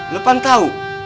lo kan tau